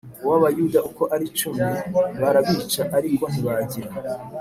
w Abayuda uko ari icumi barabica ariko ntibagira